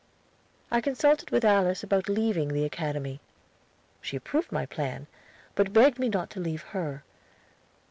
I consulted with Alice about leaving the Academy. She approved my plan, but begged me not to leave her.